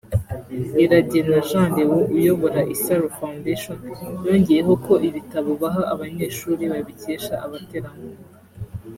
Iragena Jean Léon uyobora Isaro foundation yongeyeho ko ibitabo baha abanyeshuri babikesha abaterankunga